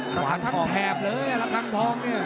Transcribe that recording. ประชันทั้งแถบเลยละครั้งทองเนี่ย